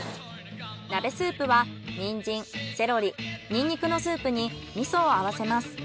鍋スープはニンジンセロリニンニクのスープに味噌を合わせます。